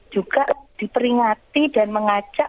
juga diperingati dan mengajak